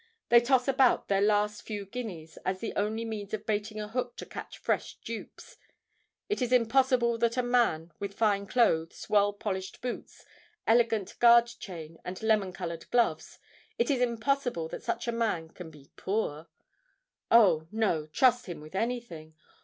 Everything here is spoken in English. They toss about their last few guineas, as the only means of baiting a hook to catch fresh dupes. It is impossible that a man, with fine clothes, well polished boots, elegant guard chain, and lemon coloured gloves,—it is impossible that such a man can be poor! Oh! no—trust him with anything!